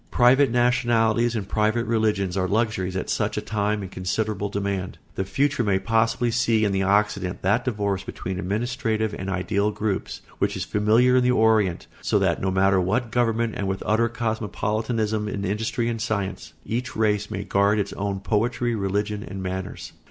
Private nationalities and private religions are luxuries at such a time in considerable demand. The future may possibly see in the Occident that divorce between administrative and ideal groups which is familiar in the Orient; so that under no matter what government and with utter cosmopolitanism in industry and science, each race may guard its own poetry, religion, and manners.